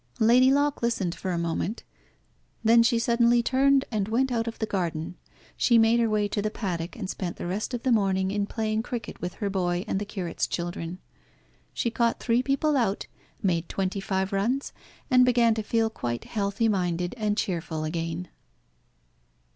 Lady Locke listened for a moment. Then she suddenly turned and went out of the garden. She made her way to the paddock, and spent the rest of the morning in playing cricket with her boy and the curate's children. She caught three people out, made twenty five runs, and began to feel quite healthy minded and cheerful again.